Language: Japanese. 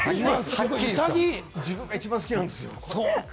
自分が一番好きなんですよ。